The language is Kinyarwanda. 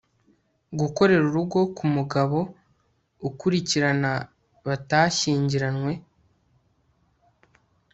Gukorera urugo kumugabo ukurikira batashyingiranywe